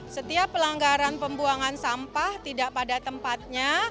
setiap pelanggaran pembuangan sampah tidak pada tempatnya